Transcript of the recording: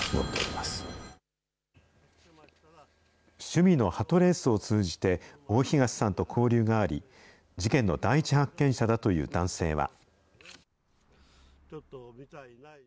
趣味のはとレースを通じて、大東さんと交流があり、事件の第一発見者だという男性は。